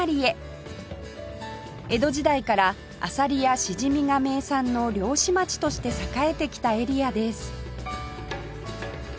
江戸時代からあさりやしじみが名産の漁師町として栄えてきたエリアです